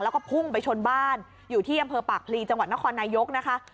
แล้วก็พุ่งไปชนบ้านอยู่ที่อำเภอปากพลีจังหวัดนครนายกนะคะ